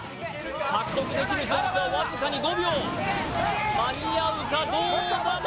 獲得できるチャンスはわずかに５秒間に合うかどうだ？